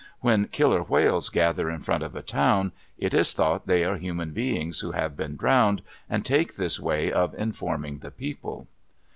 When killer whales gather in front of a town, it is thought they are human beings who have been drowned and take this way of informing the people.